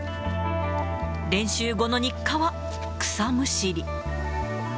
練習後の日課は、草むしり。